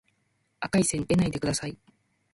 赤い線でないでください